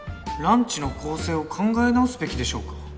ランチの構成を考え直すべきでしょうか？